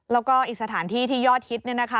แล้วก็อีกสถานที่ที่ยอดฮิตเนี่ยนะคะ